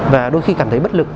và đôi khi cảm thấy bất lực